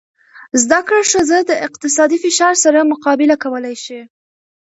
زده کړه ښځه د اقتصادي فشار سره مقابله کولی شي.